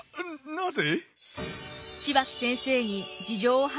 なぜ？